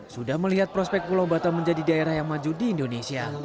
sudah melihat prospek pulau pulau ini